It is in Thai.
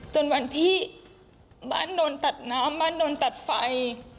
จนวันที่บ้านโดนตัดน้ำบ้านโดนตัดไฟ